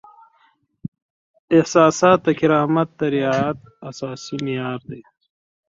احساسات د کرامت د رعایت اساسي معیار دی.